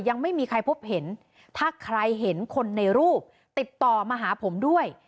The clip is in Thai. ยังไม่มีใครพบเห็นถ้าใครเห็นคนในรูปติดต่อมาหาผมด้วย